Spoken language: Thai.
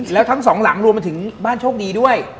แล้วทั้งสองหลังรวมมาถึงบ้านโชคดีด้วย